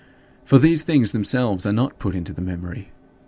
For these things themselves are not put into the memory.